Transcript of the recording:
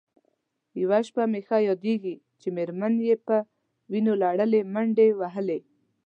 یوه شپه مې ښه یادېږي چې مېرمن یې په وینو لړلې منډې وهلې.